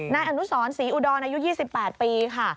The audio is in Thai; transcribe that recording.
นายอนุสรศรีอุดรอายุ๒๘ปีค่ะ